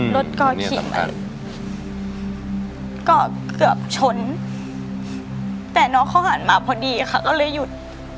รถก็ขี่ไปก็เกือบชนแต่น้องเขาหันมาพอดีค่ะก็เลยหยุด